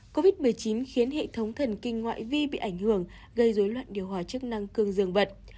covid một mươi chín khiến hệ thống thần kinh ngoại vi bị ảnh hưởng gây dối loạn điều hòa chức năng cương dương bật